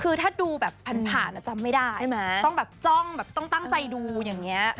คือถ้าดูผ่านจำไม่ได้ต้องตั้งใจดูอย่างนี้